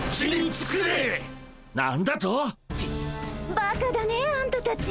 ばかだねあんたたち。